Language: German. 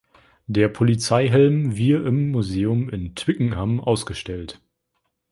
Der Polizeihelm wir im Museum in Twickenham ausgestellt.